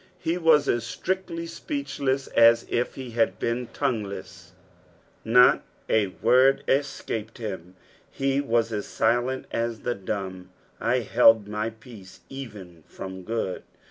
He was as Strictly Speechless as if he had been tODgnelesB — not a word escaped him. He was as silent as the dumb. " Ihtld tny peace, even from good."